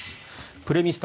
プレミスト